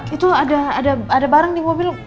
itu ada barang di mobil